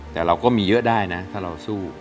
แต่เราก็มีเยอะได้นะถ้าเราสู้